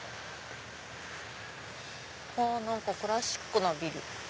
何かクラシックなビル。